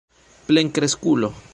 plenkreskulo